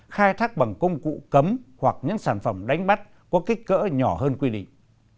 khai thác bằng công cụ cấm hoặc những sản phẩm đánh bắt có kích cỡ nhỏ hơn quy định